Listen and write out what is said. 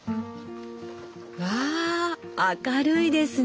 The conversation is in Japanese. わあ明るいですね！